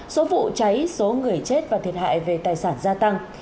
số vụ cháy số người chết và thiệt hại về tài sản gia tăng